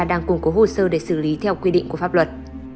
đang củng cố hồ sơ để xử lý theo quy định của pháp luật